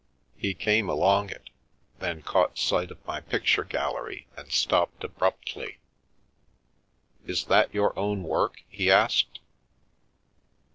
He came along it, then caught sight of my picture gallery and stopped abruptly. Is that your own work ?" he asked.